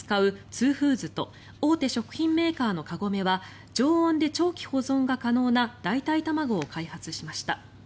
２ｆｏｏｄｓと大手食品メーカーのカゴメは常温で長期保存が可能な代替卵を開発しました。